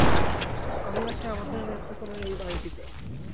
আমি আছি আমাদের নেত্রকোণার ঐ বাড়িটিতে।